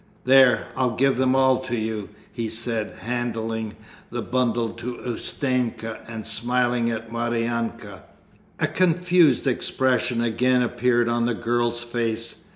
'There, I give them to all of you,' he said, handing the bundle to Ustenka and smiling at Maryanka. A confused expression again appeared on the girl's face.